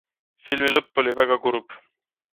Filmi lõpp oli väga kurb.